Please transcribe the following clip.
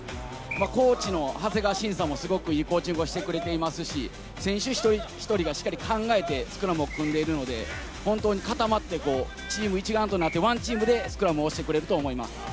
コーチの長谷川慎さんもすごくいいコーチングをしてくれていますし、選手一人一人がしっかり考えてスクラムを組んでいるので、本当に固まってチーム一丸となって、ワンチームでスクラムをしてくれると思います。